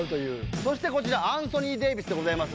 そしてこちらアンソニー・デイビスでございます。